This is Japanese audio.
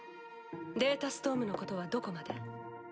データストームのことはどこまで？